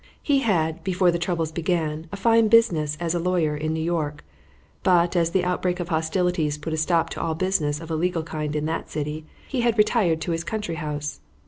He had, before the troubles began, a fine business as a lawyer in New York; but, as the outbreak of hostilities put a stop to all business of a legal kind in that city, he had retired to his country house.